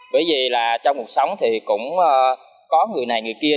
bởi vì là trong cuộc sống thì cũng có người này người kia